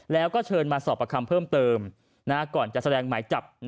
แล้วก็เชิญมาสอบประคำเพิ่มเติมก่อนจะแสดงหมายจับ